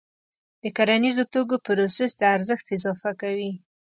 د کرنیزو توکو پروسس د ارزښت اضافه کوي.